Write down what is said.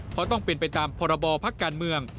เพราะต้องเป็นไปตามพรบพักการเมือง